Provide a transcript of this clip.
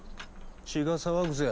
血が騒ぐぜ。